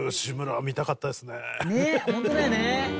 ねっホントだよね。